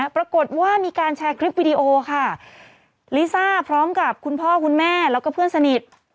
ปรากฏว่ามีการแชร์คลิปวิดีโอค่ะลิซ่าพร้อมกับคุณพ่อคุณแม่แล้วก็เพื่อนสนิท